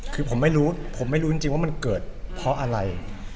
คือผมไม่รู้ผมไม่รู้จริงว่ามันเกิดเพราะอะไร